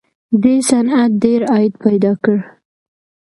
دې صنعت ډېر عاید پیدا کړ